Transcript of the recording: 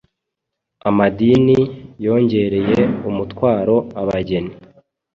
Amadini yongereye umutwaro abageni,